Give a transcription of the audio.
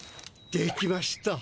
できました。